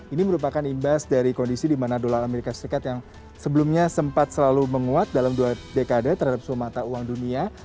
ini merupakan imbas dari kondisi di mana dolar amerika serikat yang sebelumnya sempat selalu menguat dalam dua dekade terhadap sumata uang dunia